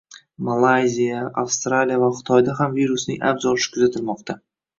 Malayziya, Avstraliya va Xitoyda ham virusning avj olishi kuzatilmoqda